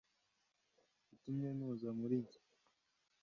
Watumye ntuza muri njye